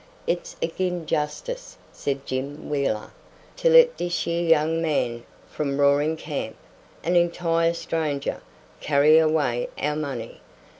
"It's agin justice," said Jim Wheeler, "to let this yer young man from Roaring Camp an entire stranger carry away our money."